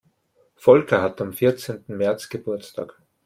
Volker hat am vierzehnten März Geburtstag.